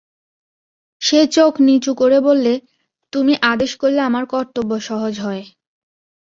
সে চোখ নিচু করে বললে, তুমি আদেশ করলে আমার কর্তব্য সহজ হয়।